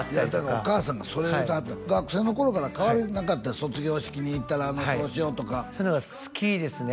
お母さんがそれ言うてはった学生の頃から変わりなかった卒業式に行ったらそうしようとかそういうのが好きですね